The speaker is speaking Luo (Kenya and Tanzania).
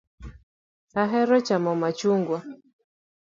Ahero chamo machungwa.